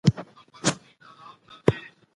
سړی په خپلو پښو کې د ستړیا او درد احساس په کلکه کاوه.